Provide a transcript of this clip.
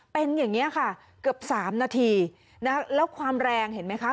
เป็นอย่างนี้ค่ะเกือบสามนาทีนะคะแล้วความแรงเห็นไหมคะ